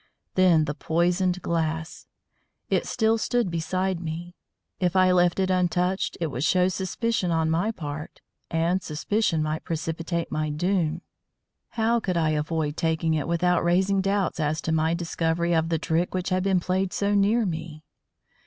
Then the poisoned glass! it still stood beside me; if I left it untouched it would show suspicion on my part, and suspicion might precipitate my doom. How could I avoid taking it without raising doubts as to my discovery of the trick which had been played so near me?